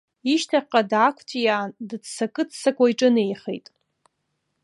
Ишьҭахьҟа даақәҵәиаан, дыццакы-ццакуа иҿынеихеит.